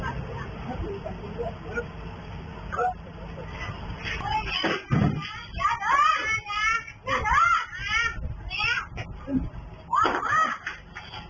เมื่อเวลาเกิดขึ้นมันกลายเป้าหมายและกลายเป้าหมายและกลายเป้าหมายและกลายเป้าหมาย